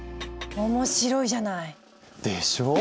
面白いじゃない。でしょう？